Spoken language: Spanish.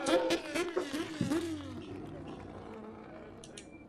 La protagonista, interpretada por Louis Willy, hace un "striptease" durante una escena de baño.